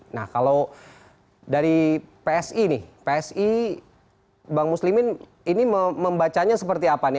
nah kalau dari psi nih psi bang muslimin ini membacanya seperti apa nih